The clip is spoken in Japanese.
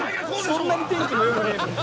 「そんなに天気も良くねえのに」